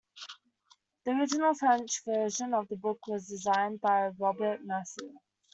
The original French version of the book was designed by Robert Massin.